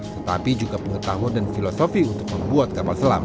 tetapi juga pengetahuan dan filosofi untuk membuat kapal selam